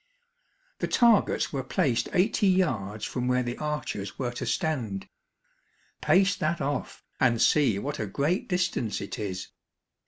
The targets were placed eighty yards from where the archers were to stand. Pace that off, and see what a great distance it is.